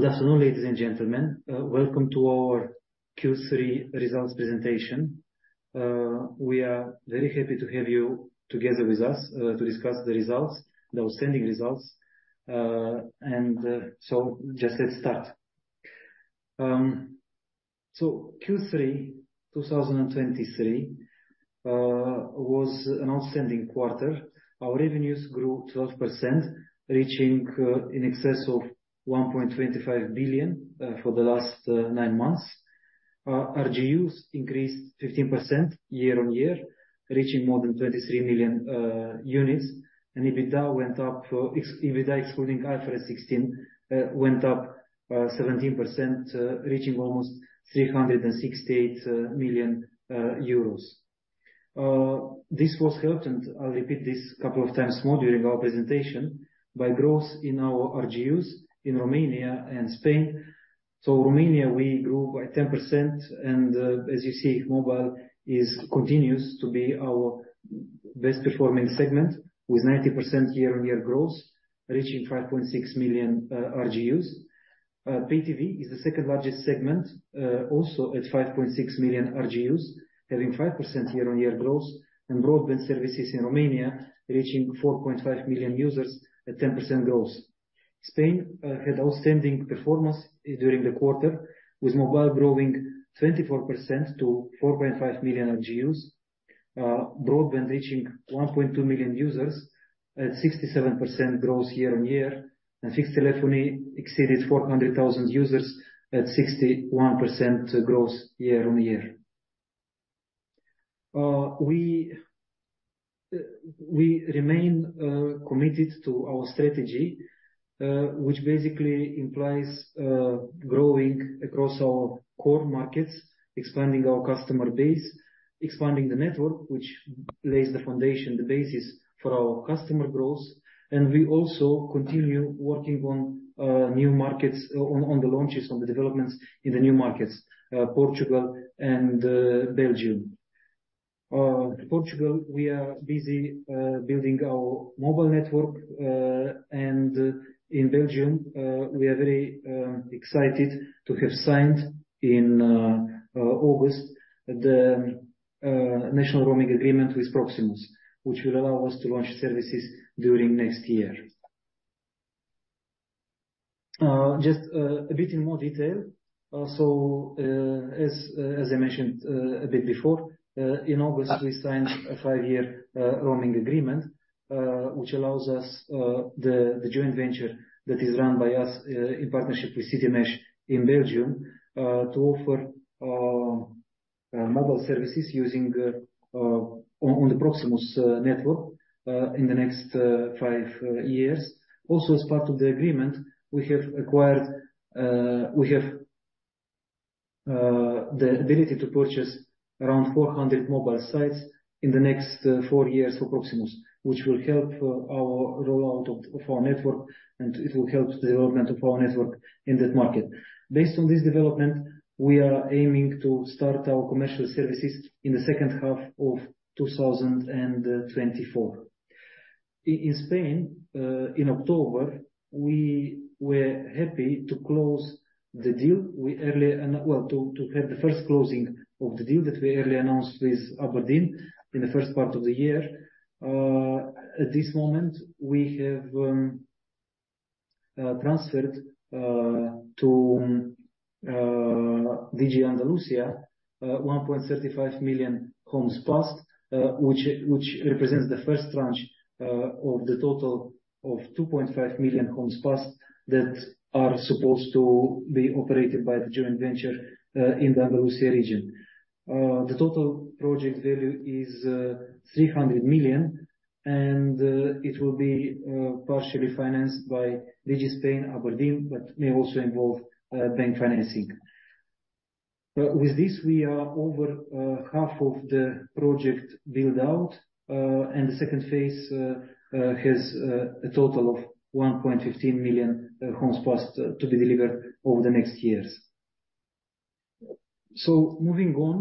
Good afternoon, ladies and gentlemen. Welcome to our Q3 results presentation. We are very happy to have you together with us, to discuss the results, the outstanding results. So just let's start. So Q3 2023 was an outstanding quarter. Our revenues grew 12%, reaching in excess of 1.25 billion for the last nine months. Our RGUs increased 15% year-on-year, reaching more than 23 million units, and EBITDA excluding IFRS 16 went up 17%, reaching almost 368 million euros. This was helped, and I'll repeat this a couple of times more during our presentation, by growth in our RGUs in Romania and Spain. Romania, we grew by 10% and, as you see, mobile continues to be our best performing segment, with 90% year-on-year growth, reaching 5.6 million RGUs. Pay TV is the second largest segment, also at 5.6 million RGUs, having 5% year-on-year growth, and broadband services in Romania reaching 4.5 million users at 10% growth. Spain had outstanding performance during the quarter, with mobile growing 24% to 4.5 million RGUs. Broadband reaching 1.2 million users at 67% growth year-on-year, and fixed telephony exceeded 400,000 users at 61% growth year-on-year. We remain committed to our strategy, which basically implies growing across our core markets, expanding our customer base, expanding the network, which lays the foundation, the basis for our customer growth, and we also continue working on new markets, on the launches, on the developments in the new markets, Portugal and Belgium. Portugal, we are busy building our mobile network, and in Belgium, we are very excited to have signed in August the national roaming agreement with Proximus, which will allow us to launch services during next year. Just a bit in more detail. Also, as I mentioned a bit before, in August, we signed a 5-year roaming agreement, which allows the joint venture that is run by us in partnership with Citymesh in Belgium to offer mobile services using on the Proximus network in the next 5 years. Also, as part of the agreement, we have the ability to purchase around 400 mobile sites in the next 4 years for Proximus, which will help our rollout of our network, and it will help the development of our network in that market. Based on this development, we are aiming to start our commercial services in the second half of 2024. In Spain, in October, we were happy to close the deal to have the first closing of the deal that we earlier announced with abrdn in the first part of the year. At this moment, we have transferred to Digi Andalusia 1.35 million homes passed, which represents the first tranche of the total of 2.5 million homes passed, that are supposed to be operated by the joint venture in the Andalusia region. The total project value is 300 million, and it will be partially financed by Digi Spain, abrdn, but may also involve bank financing. With this, we are over half of the project build-out, and the second phase has a total of 1.15 million homes passed to be delivered over the next years. So moving on,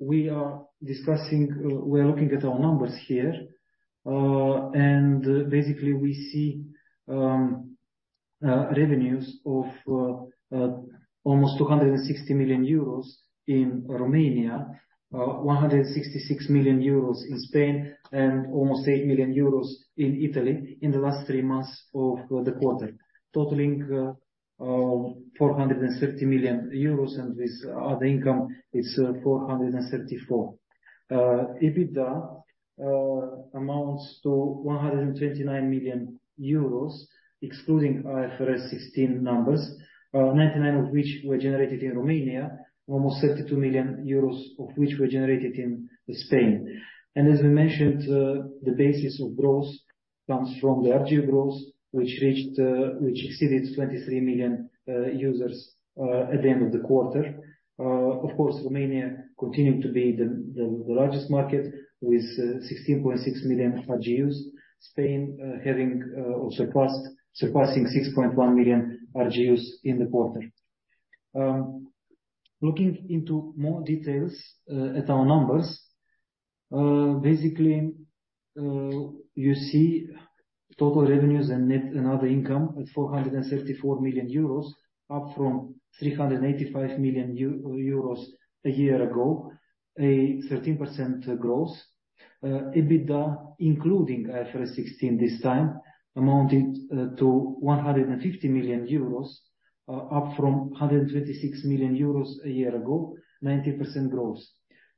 we are discussing, we are looking at our numbers here, and basically, we see revenues of almost 260 million euros in Romania, 166 million euros in Spain, and almost 8 million euros in Italy in the last three months of the quarter, totaling 430 million euros, and with other income, it's 434 million. EBITDA amounts to 129 million euros, excluding IFRS 16 numbers, 99 of which were generated in Romania, almost 32 million euros of which were generated in Spain. As we mentioned, the basis of growth comes from the RGU growth, which exceeded 23 million users at the end of the quarter. Of course, Romania continued to be the largest market, with 16.6 million RGUs. Spain surpassing 6.1 million RGUs in the quarter. Looking into more details at our numbers. Basically, you see total revenues and net and other income at 434 million euros, up from 385 million euros a year ago, a 13% growth. EBITDA, including IFRS 16 this time, amounted to 150 million euros, up from 126 million euros a year ago, 19% growth.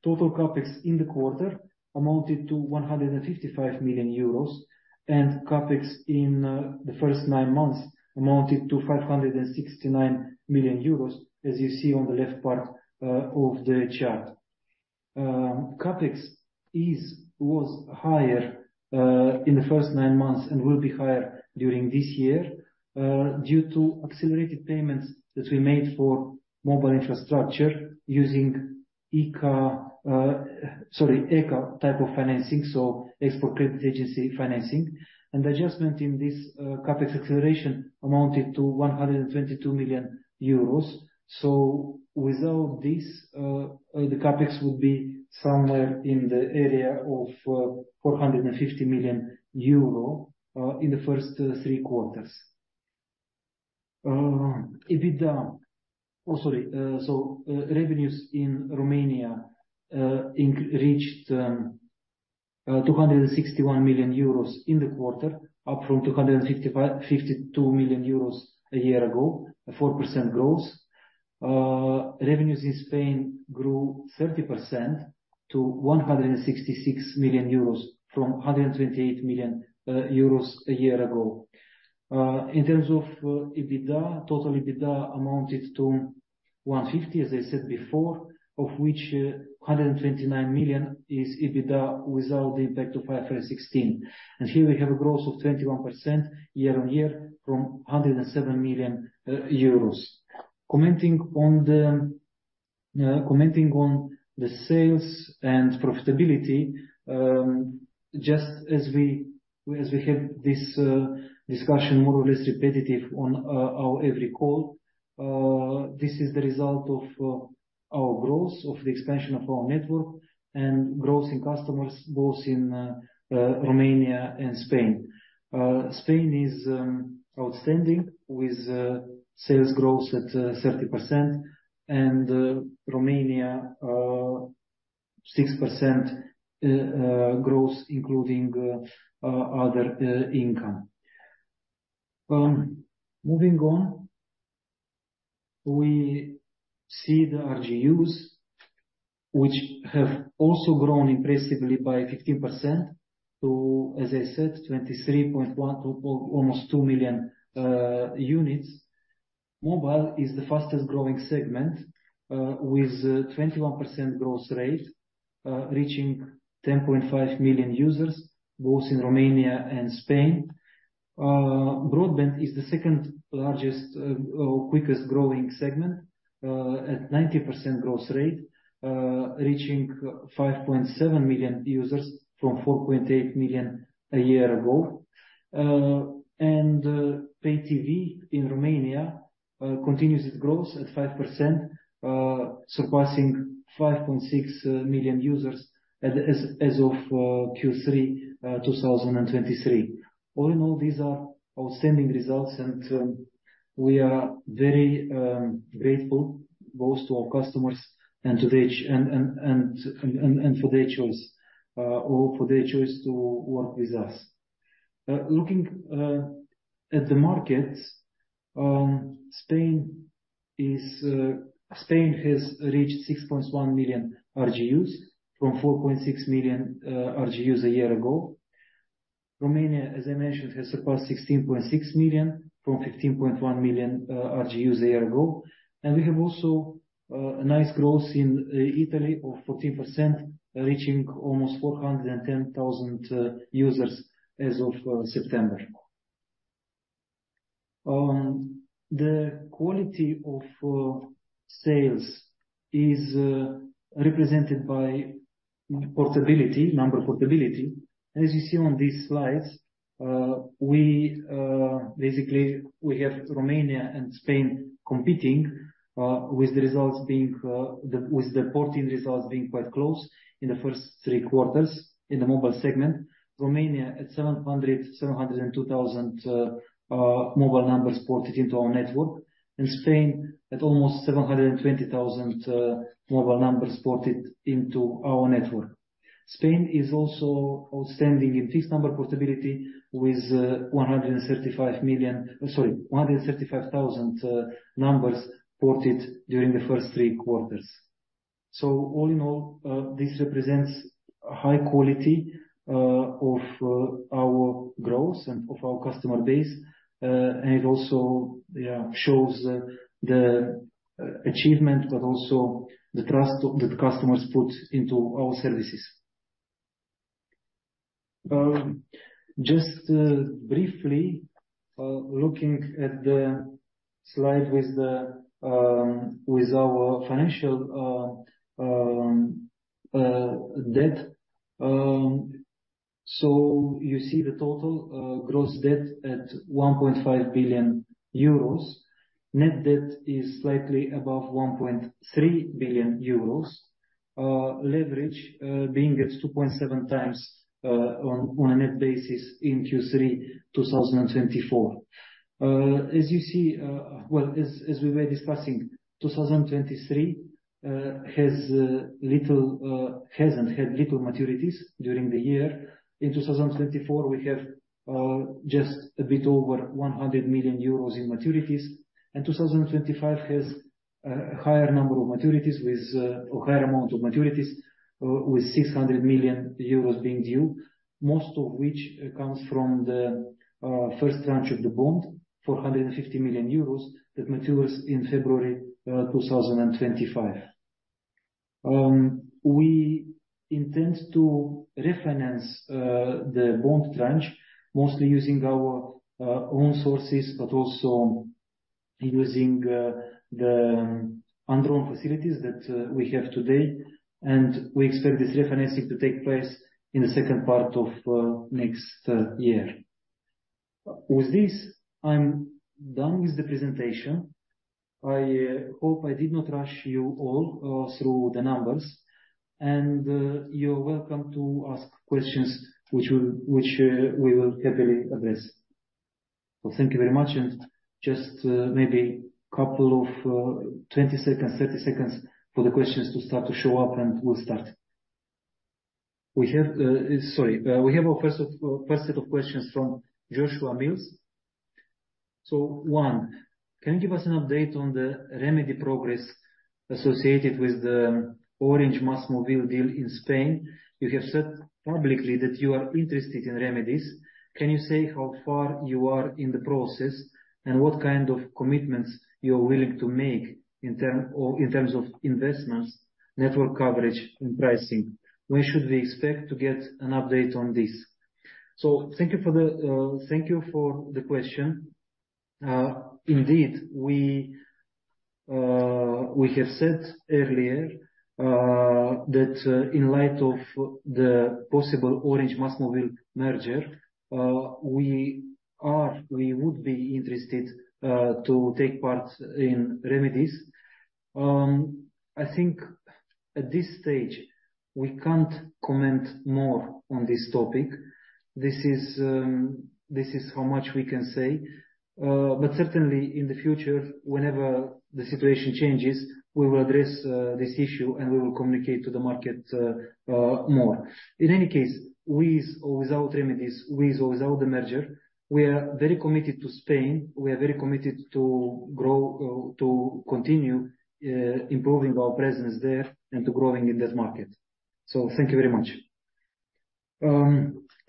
Total CapEx in the quarter amounted to 155 million euros, and CapEx in the first nine months amounted to 569 million euros, as you see on the left part of the chart. CapEx was higher in the first nine months and will be higher during this year due to accelerated payments that we made for mobile infrastructure using ECA... sorry, ECA type of financing, so Export Credit Agency financing. And the adjustment in this CapEx acceleration amounted to 122 million euros. So without this, the CapEx will be somewhere in the area of 450 million euro in the first three quarters. EBITDA, sorry, revenues in Romania reached 261 million euros in the quarter, up from 255.52 million euros a year ago, a 4% growth. Revenues in Spain grew 30% to 166 million euros from 128 million euros a year ago. In terms of EBITDA, total EBITDA amounted to 150, as I said before, of which 129 million is EBITDA without the impact of IFRS 16. And here we have a growth of 21% year-on-year from 107 million euros. Commenting on the sales and profitability, just as we had this discussion, more or less repetitive on our every call, this is the result of our growth, of the expansion of our network and growth in customers, both in Romania and Spain. Spain is outstanding with sales growth at 30%, and Romania 6% growth, including other income. Moving on, we see the RGUs, which have also grown impressively by 15% to, as I said, 23.1 or almost 2 million units. Mobile is the fastest growing segment with a 21% growth rate, reaching 10.5 million users, both in Romania and Spain. Broadband is the second largest quickest growing segment at 90% growth rate, reaching 5.7 million users from 4.8 million a year ago. And Pay TV in Romania continues its growth at 5%, surpassing 5.6 million users as of Q3 2023. All in all, these are outstanding results, and we are very grateful both to our customers and for their choice to work with us. Looking at the markets, Spain has reached 6.1 million RGUs from 4.6 million RGUs a year ago. Romania, as I mentioned, has surpassed 16.6 million from 15.1 million RGUs a year ago. And we have also a nice growth in Italy of 14%, reaching almost 410,000 users as of September. The quality of sales is represented by portability, number portability. As you see on these slides, we basically we have Romania and Spain competing with the results being the with the port in results being quite close in the first three quarters in the mobile segment. Romania at 700, 702,000 mobile numbers ported into our network, and Spain at almost 720,000 mobile numbers ported into our network. Spain is also outstanding in fixed number portability, with 135,000 numbers ported during the first three quarters. So all in all, this represents a high quality of our growth and of our customer base. It also shows the achievement, but also the trust that customers put into our services. Just briefly, looking at the slide with our financial debt... So you see the total gross debt at 1.5 billion euros. Net debt is slightly above 1.3 billion euros. Leverage being at 2.7 times on a net basis in Q3 2024. As you see... Well, as we were discussing, 2023 has had little maturities during the year. In 2024, we have just a bit over 100 million euros in maturities, and 2025 has a higher number of maturities with a higher amount of maturities, with 600 million euros being due. Most of which comes from the first tranche of the bond, 450 million euros, that matures in February 2025. We intend to refinance the bond tranche, mostly using our own sources, but also using the undrawn facilities that we have today, and we expect this refinancing to take place in the second part of next year. With this, I'm done with the presentation. I hope I did not rush you all through the numbers, and you're welcome to ask questions which will- which we will happily address. Well, thank you very much, and just maybe couple of 20 seconds, 30 seconds for the questions to start to show up, and we'll start. We have our first of first set of questions from Joshua Mills. So, one, can you give us an update on the remedy progress associated with the Orange-MásMóvil deal in Spain? You have said publicly that you are interested in remedies. Can you say how far you are in the process, and what kind of commitments you're willing to make in term or in terms of investments, network coverage, and pricing? When should we expect to get an update on this? Thank you for the question. Indeed, we have said earlier that in light of the possible Orange-MásMóvil merger, we would be interested to take part in remedies. I think at this stage, we can't comment more on this topic. This is how much we can say, but certainly in the future, whenever the situation changes, we will address this issue and we will communicate to the market more. In any case, with or without remedies, with or without the merger, we are very committed to Spain. We are very committed to grow, to continue improving our presence there and to growing in this market. Thank you very much.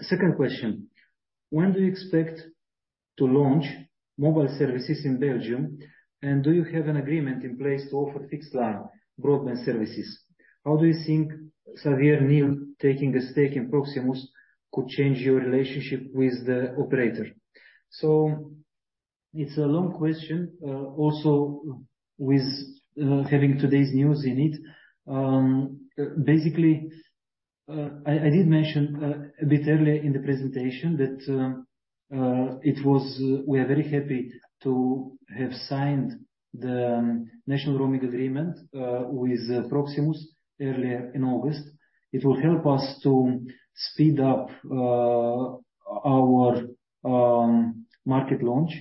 Second question: When do you expect to launch mobile services in Belgium, and do you have an agreement in place to offer fixed-line broadband services? How do you think Xavier Niel taking a stake in Proximus could change your relationship with the operator? So it's a long question, also with having today's news in it. Basically, I did mention a bit earlier in the presentation that we are very happy to have signed the national roaming agreement with Proximus earlier in August. It will help us to speed up our market launch,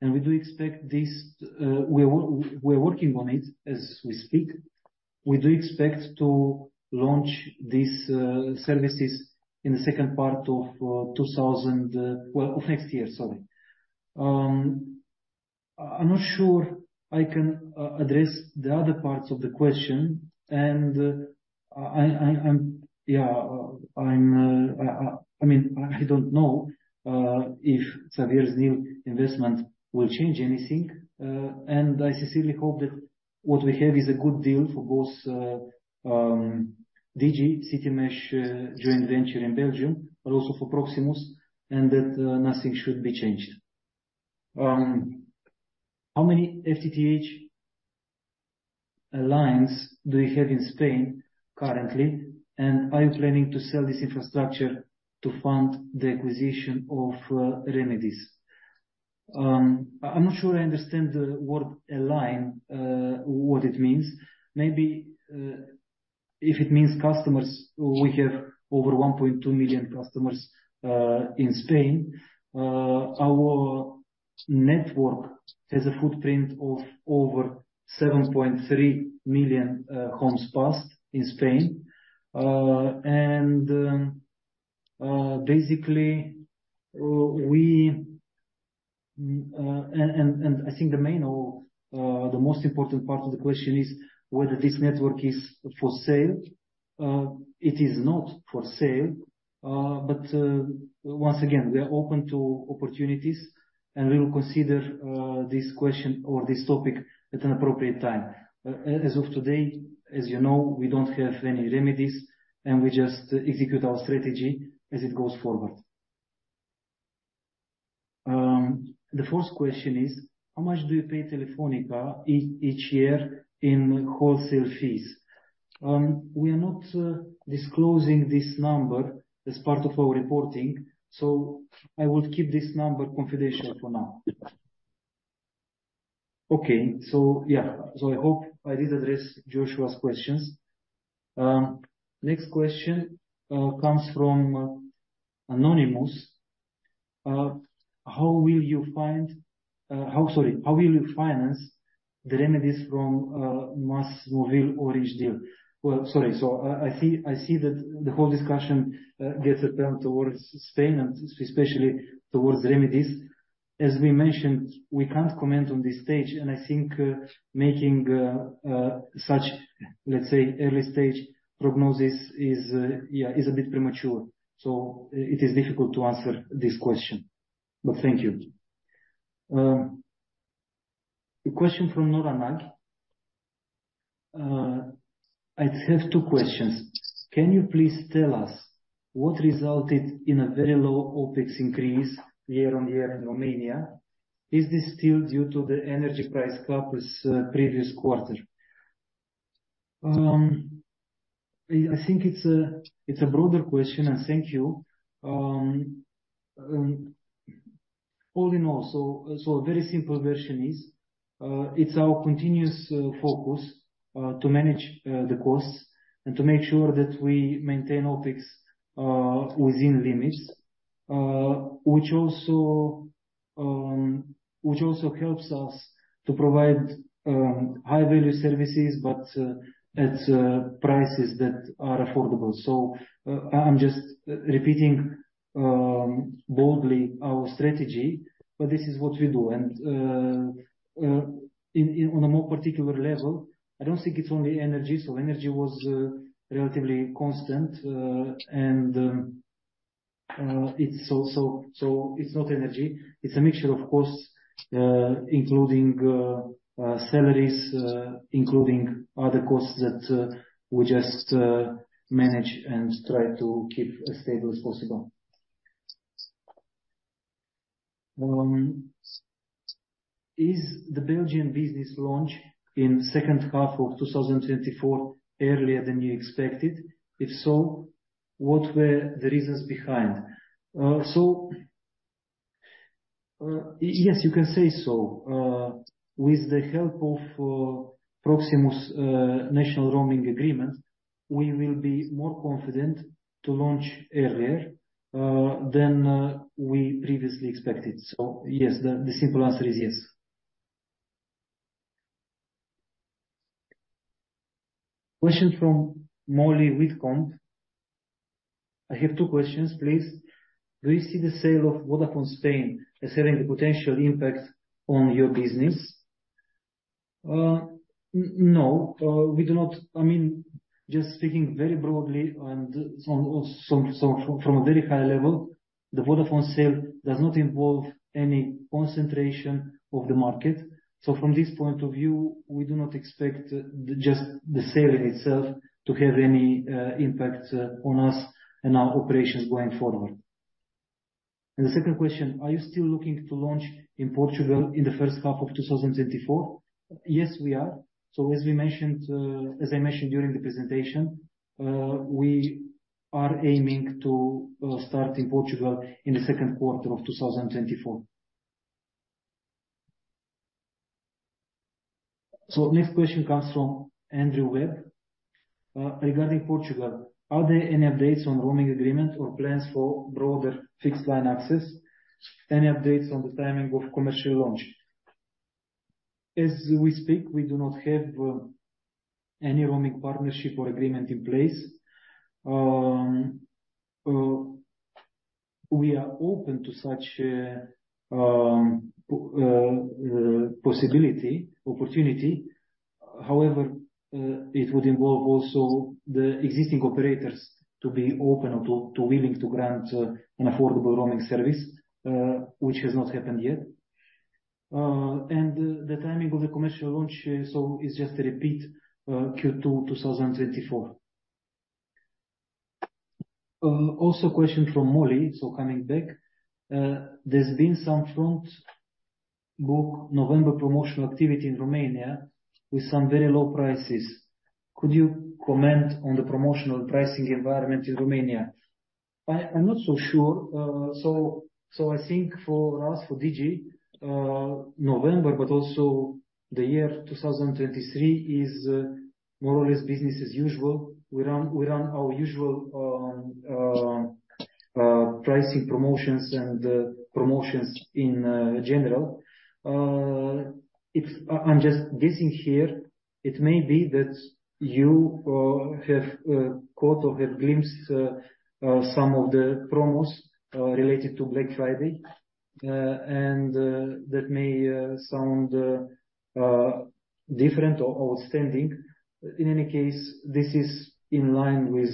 and we do expect this. We're working on it as we speak. We do expect to launch these services in the second part of 2000, well, of next year, sorry. I'm not sure I can address the other parts of the question, and I mean, I don't know if Xavier Niel's investment will change anything, and I sincerely hope that what we have is a good deal for both Digi, Citymesh joint venture in Belgium, but also for Proximus, and that nothing should be changed. How many FTTH lines do you have in Spain currently? And are you planning to sell this infrastructure to fund the acquisition of remedies? I'm not sure I understand the word line, what it means. Maybe if it means customers, we have over 1.2 million customers in Spain. Our network has a footprint of over 7.3 million homes passed in Spain. Basically, we, and, and, and I think the main or the most important part of the question is whether this network is for sale. It is not for sale, but once again, we are open to opportunities, and we will consider this question or this topic at an appropriate time. As of today, as you know, we don't have any remedies, and we just execute our strategy as it goes forward. The first question is, how much do you pay Telefónica each year in wholesale fees? We are not disclosing this number as part of our reporting, so I will keep this number confidential for now. Okay, so yeah. So I hope I did address Joshua's questions. Next question comes from Anonymous. How will you find, how... Sorry, how will you finance the remedies from MásMóvil Orange deal? Well, sorry. So I see that the whole discussion gets apparent towards Spain and especially towards remedies. As we mentioned, we can't comment on this stage, and I think making such, let's say, early stage prognosis is yeah, is a bit premature. So it is difficult to answer this question, but thank you. A question from Norman Mark. I just have two questions. Can you please tell us what resulted in a very low OpEx increase year-on-year in Romania? Is this still due to the energy price cap as previous quarter? I think it's a broader question, and thank you. All in all, a very simple version is, it's our continuous focus to manage the costs and to make sure that we maintain OpEx within limits. Which also helps us to provide high-value services, but at prices that are affordable. So, I'm just repeating boldly our strategy, but this is what we do. On a more particular level, I don't think it's only energy. So energy was relatively constant. And, it's not energy. It's a mixture of costs, including salaries, including other costs that we just manage and try to keep as stable as possible. Is the Belgian business launch in second half of 2024 earlier than you expected? If so, what were the reasons behind? So, yes, you can say so. With the help of Proximus national roaming agreement, we will be more confident to launch earlier than we previously expected. So yes, the simple answer is yes. Question from Molly Whitcomb. I have two questions, please. Do you see the sale of Vodafone Spain as having the potential impact on your business? No, we do not. I mean, just speaking very broadly and on, so from a very high level, the Vodafone sale does not involve any concentration of the market. So from this point of view, we do not expect the, just the sale in itself to have any, impact, on us and our operations going forward. And the second question, are you still looking to launch in Portugal in the first half of 2024? Yes, we are. So as we mentioned, as I mentioned during the presentation, we are aiming to, start in Portugal in the second quarter of 2024. So next question comes from Andrew Webb. Regarding Portugal, are there any updates on roaming agreement or plans for broader fixed-line access? Any updates on the timing of commercial launch? As we speak, we do not have, any roaming partnership or agreement in place. We are open to such, possibility, opportunity. However, it would involve also the existing operators to be open or to be willing to grant an affordable roaming service, which has not happened yet. And the timing of the commercial launch so is just a repeat Q2 2024. Also question from Molly, so coming back. There's been some front book November promotional activity in Romania with some very low prices. Could you comment on the promotional pricing environment in Romania? I'm not so sure. So I think for us, for Digi, November, but also the year 2023, is more or less business as usual. We run our usual pricing promotions and promotions in general. It's... I'm just guessing here, it may be that you have caught or have glimpse some of the promos related to Black Friday. That may sound different or outstanding. In any case, this is in line with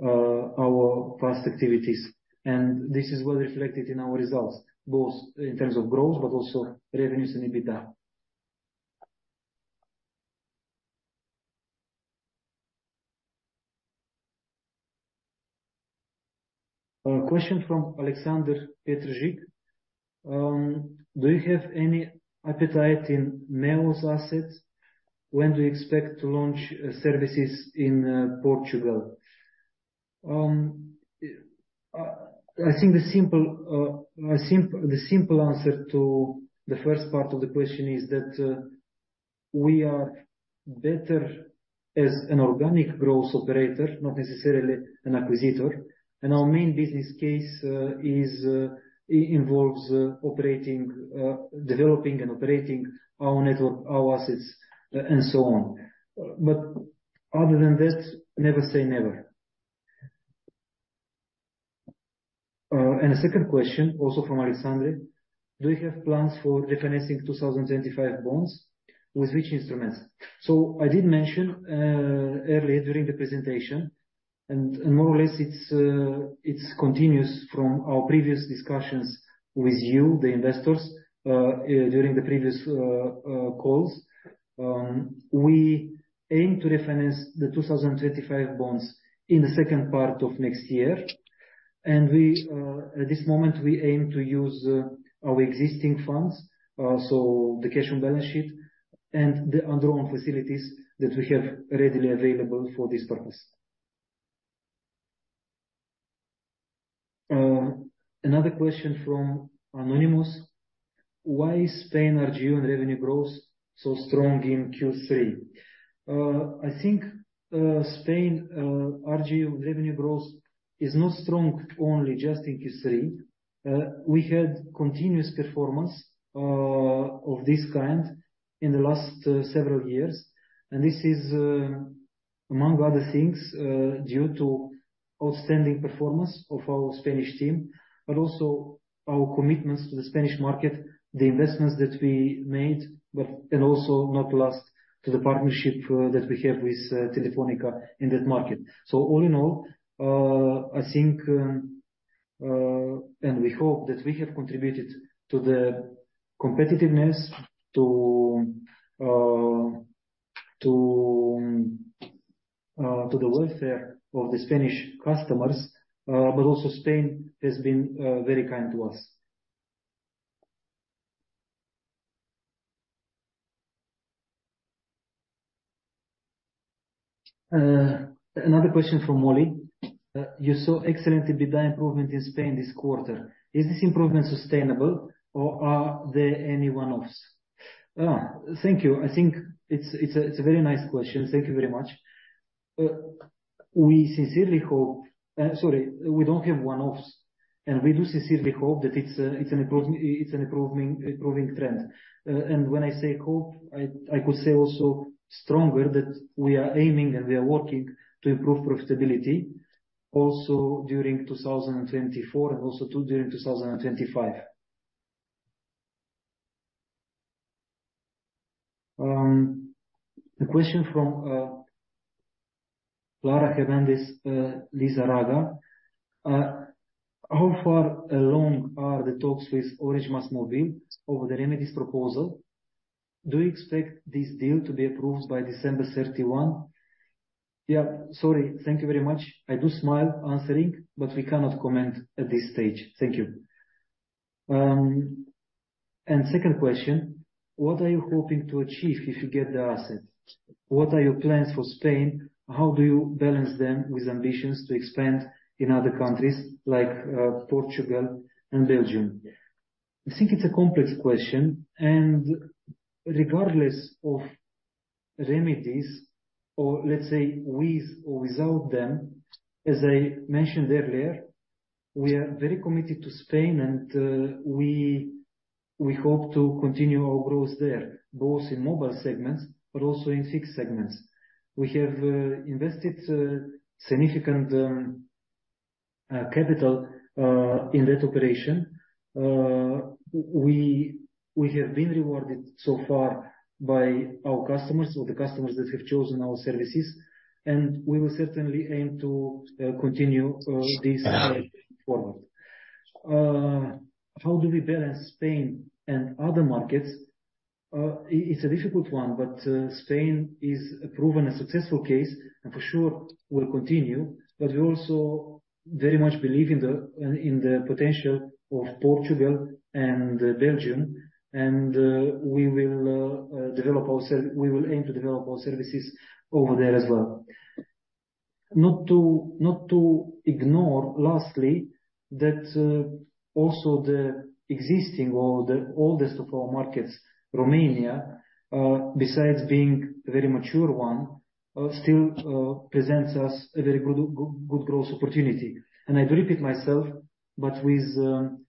our past activities, and this is well reflected in our results, both in terms of growth but also revenues and EBITDA. A question from Alexander Petrazhik. Do you have any appetite in MEO's assets? When do you expect to launch services in Portugal? I think the simple answer to the first part of the question is that we are better as an organic growth operator, not necessarily an acquisitor. Our main business case involves operating, developing and operating our network, our assets, and so on. But other than that, never say never. And the second question, also from Alexander: Do you have plans for refinancing 2025 bonds? With which instruments? So I did mention earlier during the presentation, and more or less, it's continuous from our previous discussions with you, the investors, during the previous calls. We aim to refinance the 2025 bonds in the second part of next year. And we, at this moment, we aim to use our existing funds, so the cash on balance sheet and the other own facilities that we have readily available for this purpose. Another question from anonymous: Why is Spain RGU and revenue growth so strong in Q3? I think, Spain RGU revenue growth is not strong only just in Q3. We had continuous performance of this kind in the last several years, and this is, among other things, due to outstanding performance of our Spanish team, but also our commitments to the Spanish market, the investments that we made, and also not least, to the partnership that we have with Telefónica in that market. So all in all, I think, and we hope that we have contributed to the competitiveness, to the welfare of the Spanish customers, but also Spain has been very kind to us. Another question from Molly: You saw excellent EBITDA improvement in Spain this quarter. Is this improvement sustainable, or are there any one-offs? Thank you. I think it's a very nice question. Thank you very much. We sincerely hope, sorry, we don't have one-offs, and we do sincerely hope that it's an improving trend. And when I say hope, I could say also stronger, that we are aiming, and we are working to improve profitability also during 2024 and also, too, during 2025. The question from Laura Cabanillas Lizarraga. How far along are the talks with Orange MásMóvil over the remedies proposal? Do you expect this deal to be approved by December 31? Yeah, sorry. Thank you very much. I do smile answering, but we cannot comment at this stage. Thank you. And second question: What are you hoping to achieve if you get the asset? What are your plans for Spain? How do you balance them with ambitions to expand in other countries like, Portugal and Belgium? I think it's a complex question, and regardless of remedies or let's say, with or without them, as I mentioned earlier, we are very committed to Spain, and we hope to continue our growth there, both in mobile segments but also in fixed segments. We have invested significant capital in that operation. We have been rewarded so far by our customers or the customers that have chosen our services, and we will certainly aim to continue this forward. How do we balance Spain and other markets? It's a difficult one, but Spain is a proven and successful case, and for sure will continue. But we also very much believe in the potential of Portugal and Belgium, and we will aim to develop our services over there as well. Not to ignore, lastly, that also the existing or the oldest of our markets, Romania, besides being a very mature one, still presents us a very good good growth opportunity. And I do repeat myself, but with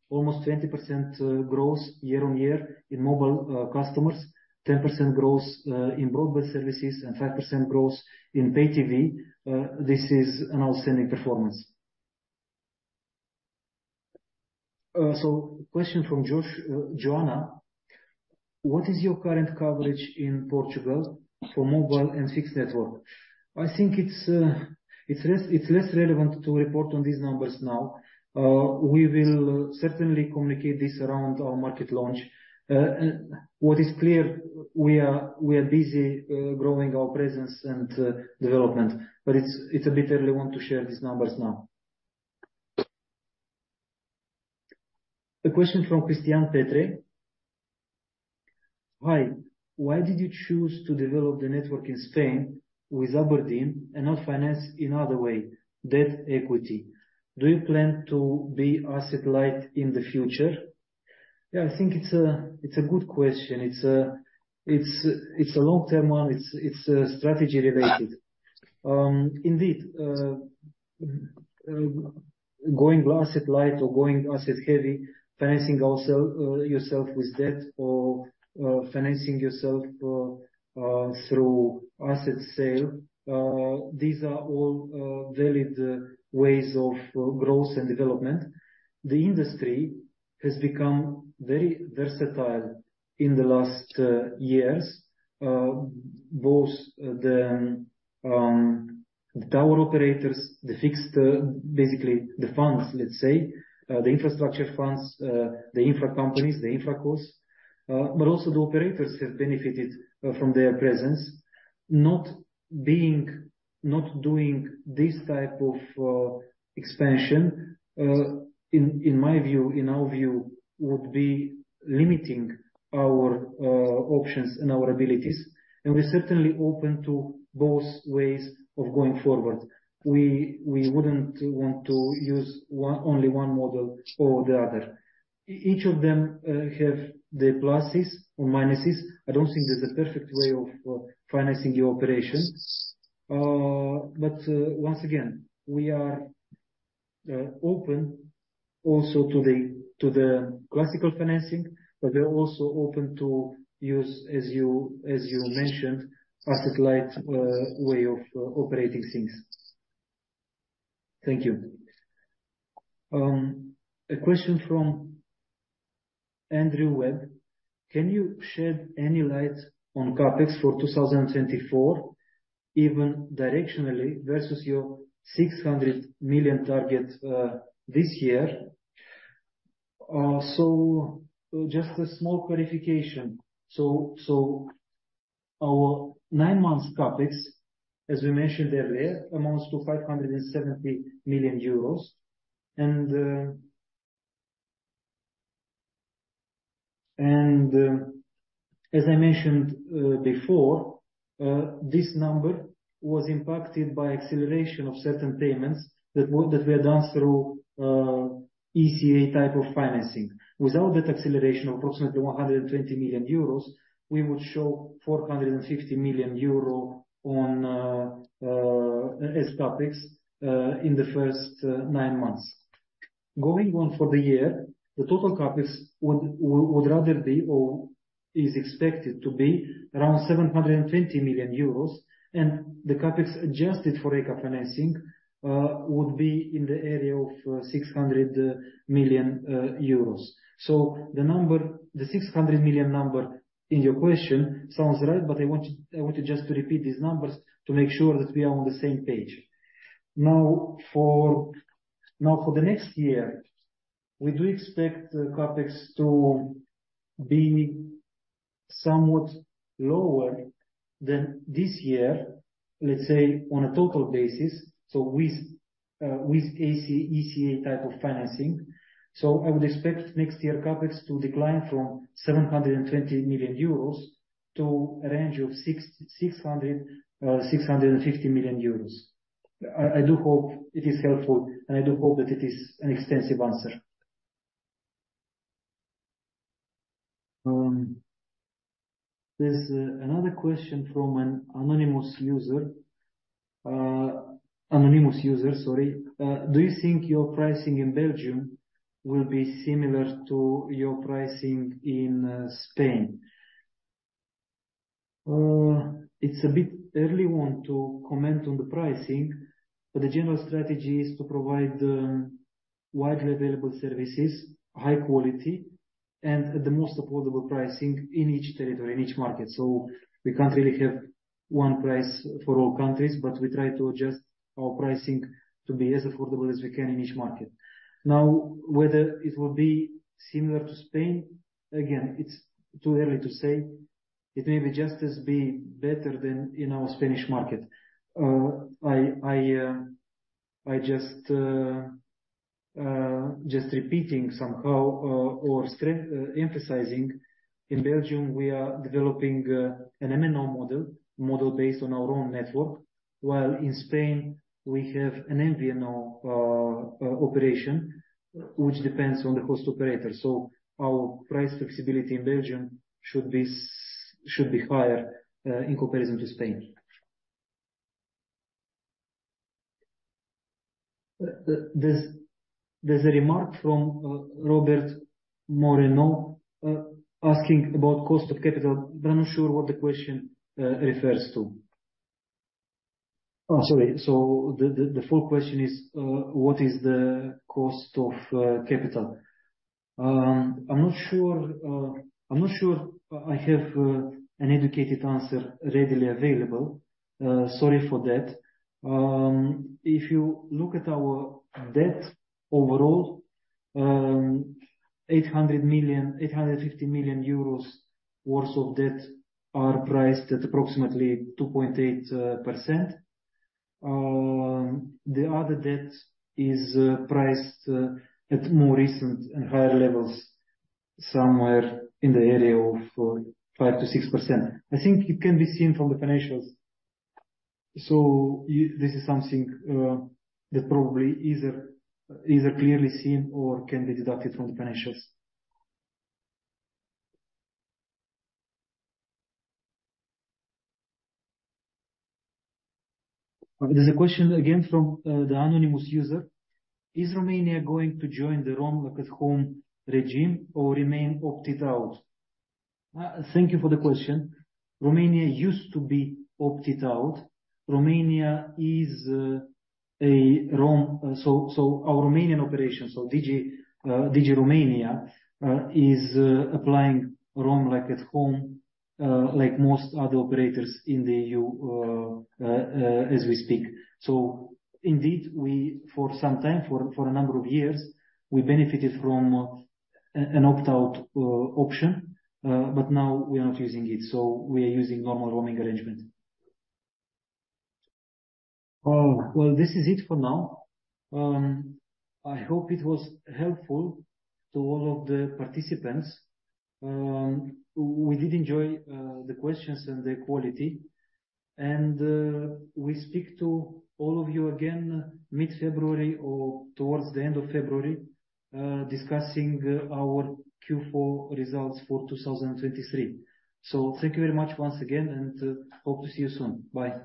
almost 20% growth year-on-year in mobile customers, 10% growth in broadband services, and 5% growth in Pay TV, this is an outstanding performance. So, question from Josh, Joanna: What is your current coverage in Portugal for mobile and fixed network? I think it's, it's less, it's less relevant to report on these numbers now. We will certainly communicate this around our market launch. What is clear, we are, we are busy growing our presence and development, but it's, it's a bit early want to share these numbers now. A question from Cristian Petre. Hi, why did you choose to develop the network in Spain with abrdn and not finance in other way, debt equity? Do you plan to be asset light in the future? Yeah, I think it's a, it's a good question. It's a, it's, it's a long-term one. It's, it's strategy related. Indeed, going asset light or going asset heavy, financing yourself with debt or financing yourself through asset sale, these are all valid ways of growth and development. The industry has become very versatile in the last years, both the tower operators, the fixed, basically the funds, let's say, the infrastructure funds, the infra companies, the infra costs, but also the operators have benefited from their presence. Not doing this type of expansion, in my view, in our view, would be limiting our options and our abilities, and we're certainly open to both ways of going forward. We wouldn't want to use only one model or the other. Each of them have their pluses or minuses. I don't think there's a perfect way of financing your operations. But once again, we are open also to the classical financing, but we're also open to use, as you mentioned, asset-light way of operating things. Thank you. A question from Andrew Webb: Can you shed any light on CapEx for 2024, even directionally, versus your 600 million target this year? So just a small clarification. So our nine months CapEx, as we mentioned earlier, amounts to EUR 570 million. And as I mentioned before, this number was impacted by acceleration of certain payments that were done through ECA type of financing. Without that acceleration, approximately 120 million euros, we would show 450 million euro on, as CapEx, in the first nine months. Going on for the year, the total CapEx would rather be or is expected to be around 720 million euros, and the CapEx adjusted for ECA financing would be in the area of 600 million euros. So the number, the 600 million number in your question sounds right, but I want to just repeat these numbers to make sure that we are on the same page. Now, now for the next year, we do expect the CapEx to be somewhat lower than this year, let's say, on a total basis, so with AC, ECA type of financing. I would expect next year CapEx to decline from 720 million euros to a range of 600 million-650 million euros. I do hope it is helpful, and I do hope that it is an extensive answer. There's another question from an anonymous user, anonymous user, sorry. Do you think your pricing in Belgium will be similar to your pricing in Spain? It's a bit early to comment on the pricing, but the general strategy is to provide widely available services, high quality, and the most affordable pricing in each territory, in each market. So we can't really have one price for all countries, but we try to adjust our pricing to be as affordable as we can in each market. Now, whether it will be similar to Spain, again, it's too early to say. It may be just as be better than in our Spanish market. I just repeating somehow, or emphasizing, in Belgium, we are developing an MNO model based on our own network, while in Spain we have an MVNO operation, which depends on the host operator. So our price flexibility in Belgium should be higher in comparison to Spain. There's a remark from Robert Moreno asking about cost of capital, but I'm not sure what the question refers to. Oh, sorry. So the full question is, what is the cost of capital? I'm not sure, I'm not sure I have an educated answer readily available. Sorry for that. If you look at our debt overall, 800 million-850 million euros worth of debt are priced at approximately 2.8%. The other debt is priced at more recent and higher levels, somewhere in the area of 5%-6%. I think it can be seen from the financials. So this is something that probably either clearly seen or can be deducted from the financials. There's a question again from the anonymous user: Is Romania going to join the Roam Like at Home regime or remain opted out? Thank you for the question. Romania used to be opted out. Romania is a roaming market, so our Romanian operations, so Digi Romania, is applying Roam Like at Home like most other operators in the EU as we speak. So indeed, we for some time, for a number of years, we benefited from an opt-out option, but now we are not using it, so we are using normal roaming arrangement. Well, this is it for now. I hope it was helpful to all of the participants. We did enjoy the questions and their quality. And we speak to all of you again, mid-February or towards the end of February, discussing our Q4 results for 2023. So thank you very much once again, and hope to see you soon. Bye.